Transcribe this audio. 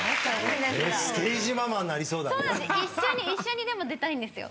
一緒に一緒にでも出たいんですよ。